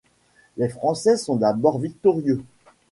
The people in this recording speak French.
Les Français sont d'abord victorieux.